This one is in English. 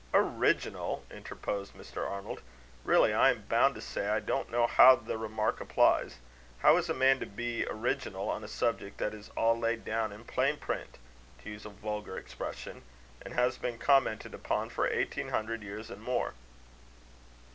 "Original!" interposed Mr. Arnold. "Really, I am bound to say I don't know how the remark applies. How is a man to be original on a subject that is all laid down in plain print to use a vulgar expression and has been commented upon for eighteen hundred years and more?"